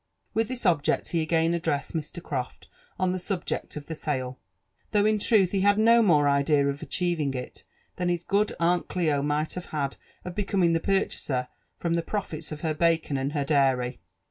With this object he again addressed Mr. Croft on the subject of the sale, though in truth he had no more idea of achieving it than his good aunt Cli might have had of becoming the purchaser from the profits of her bacon and her dairy.